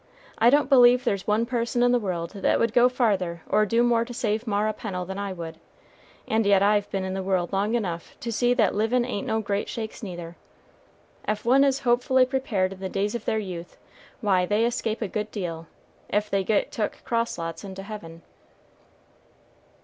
I don't believe there's one person in the world that would go farther or do more to save Mara Pennel than I would, and yet I've been in the world long enough to see that livin' ain't no great shakes neither. Ef one is hopefully prepared in the days of their youth, why they escape a good deal, ef they get took cross lots into heaven."